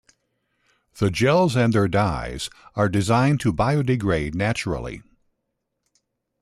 The gels and their dyes are designed to biodegrade naturally.